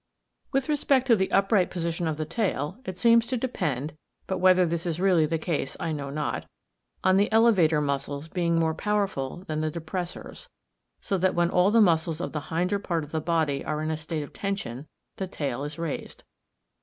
With respect to the upright position of the tail, it seems to depend (but whether this is really the case I know not) on the elevator muscles being more powerful than the depressors, so that when all the muscles of the hinder part of the body are in a state of tension, the tail is raised.